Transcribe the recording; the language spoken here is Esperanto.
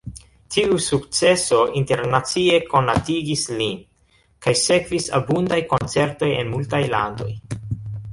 Tiu sukceso internacie konatigis lin, kaj sekvis abundaj koncertoj en multaj landoj.